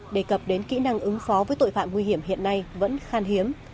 đề cập đến kỹ năng ứng phó với tội phạm nguy hiểm hiện nay vẫn khan hiếm